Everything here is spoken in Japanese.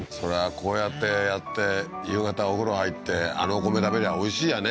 こうやってやって夕方お風呂入ってあのお米食べりゃおいしいやね